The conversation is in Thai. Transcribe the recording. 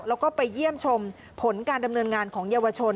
แล้วก็ไปเยี่ยมชมผลการดำเนินงานของเยาวชน